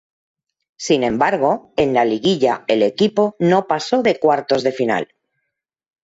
Sin embargo, en la liguilla el equipo no pasó de cuartos de final.